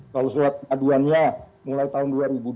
kalau surat aduannya mulai tahun dua ribu dua puluh